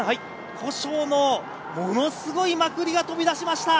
古性のものすごいまくりが飛び出しました。